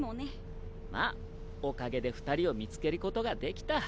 まあおかげで２人を見つけることができた。